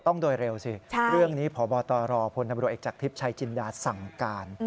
ต้องโดยเร็วสิเรื่องนี้พบตรพนเอกจักรทิพย์ชายจินดาสั่งการ